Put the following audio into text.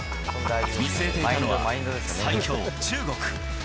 見据えていたのは、最強、中国。